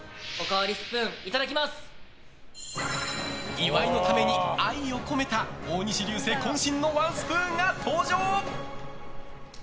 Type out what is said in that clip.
岩井のために愛を込めた大西流星渾身のワンスプーンが登場！